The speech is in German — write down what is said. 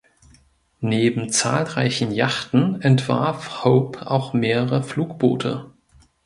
Neben zahlreichen Yachten entwarf Hope auch mehrere Flugboote.